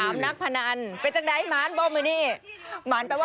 ม้านหมายถึงอะไรคะ